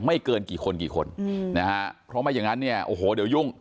เกินกี่คนกี่คนอืมนะฮะเพราะไม่อย่างนั้นเนี่ยโอ้โหเดี๋ยวยุ่ง